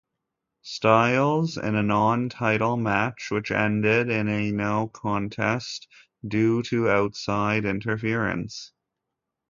Styles in a non-title match, which ended in a no-contest due to outside interference.